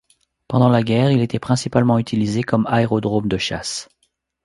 Pendant la guerre, il était principalement utilisé comme aérodrome de chasse.